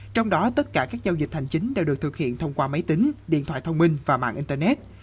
trong đó tất cả các giao dịch hành chính đều được thực hiện thông qua máy tính điện thoại thông minh và mạng internet